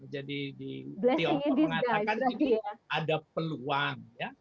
jadi di tiongkok mengatakan itu ada peluang